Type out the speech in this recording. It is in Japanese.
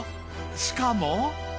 しかも。